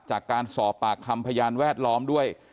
จากการสอบปากคำพยานแวดล้อมด้วย